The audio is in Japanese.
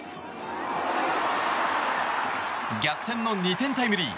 逆転の２点タイムリー。